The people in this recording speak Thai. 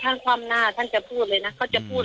เขาเขาไม่แล้วร่างทรงคนนี้แม่งไม่เคยรู้จักโอมไง